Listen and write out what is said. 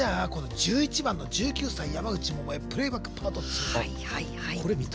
１１番の１９歳、山口百恵「プレイバックＰａｒｔ２」。